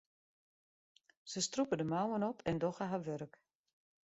Se strûpe de mouwen op en dogge har wurk.